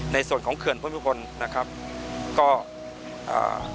ในส่วนของเขื่อนเพื่อนเพื่อนคนนะครับก็อ่า